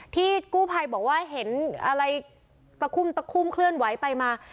ที่กู้ภัยบอกว่าเห็นอะไรตะคุ่มตะคุ่มเคลื่อนไหวไปมา